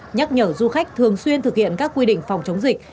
nhắc nhở du khách thường xuyên thực hiện các quy định phòng chống dịch